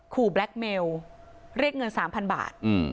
แบล็คเมลเรียกเงิน๓๐๐บาท